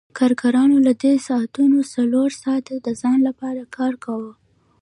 کارګرانو له دې ساعتونو څلور ساعته د ځان لپاره کار کاوه